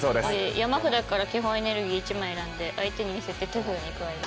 山札から基本エネルギー１枚選んで相手に見せて手札に加える。